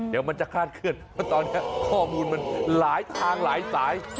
เดี๋ยวมันจะคาดเคลื่อนเพราะตอนนี้ข้อมูลมันหลายทางหลายสาย